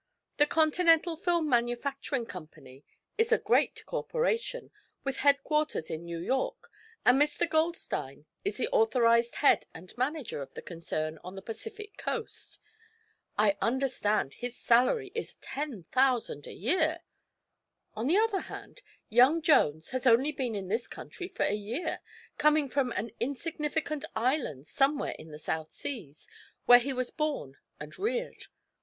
The Continental Film Manufacturing Company is a great corporation, with headquarters in New York, and Mr. Goldstein is the authorized head and manager of the concern on the Pacific coast. I understand his salary is ten thousand a year. On the other hand, young Jones has only been in this country for a year, coming from an insignificant island somewhere in the South Seas, where he was born and reared.